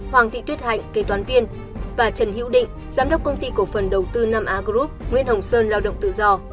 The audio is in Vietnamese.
hoàng thị tuyết hạnh kế toán viên và trần hiếu định giám đốc công ty cổ phần đầu tư năm a group nguyễn hồng sơn lao động tự do